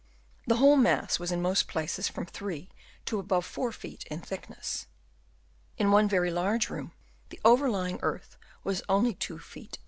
The whole mass was in most places from 3 to above 4 ft. in thickness. In one very large room the overlying earth was only 2 ft.